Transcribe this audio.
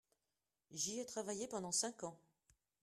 J'y ai travaillé pendant cinq ans.